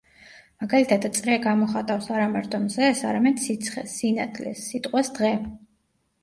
მაგალითად წრე გამოხატავს არა მარტო მზეს არამედ სიცხეს, სინათლეს, სიტყვას „დღე“.